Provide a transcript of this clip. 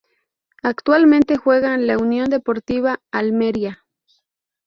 Actualmente juega en la Unión deportiva Almería.